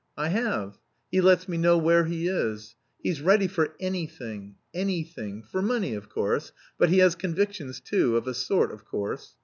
"I have. He lets me know where he is. He's ready for anything, anything, for money of course, but he has convictions, too, of a sort, of course.